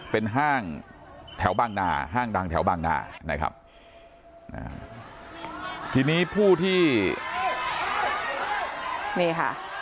เป็นห้างแถวบางนาห้างดังแถวบางนานะครับอ่าทีนี้ผู้ที่นี่ค่ะ